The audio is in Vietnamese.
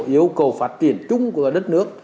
yêu cầu phát triển chung của đất nước